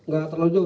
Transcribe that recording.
gak terlalu jauh